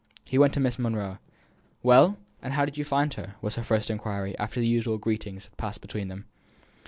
He went to Miss Monro. "Well! and how did you find her?" was her first inquiry, after the usual greetings had passed between them.